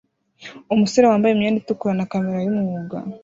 Umusore wambaye imyenda itukura na kamera yumwuga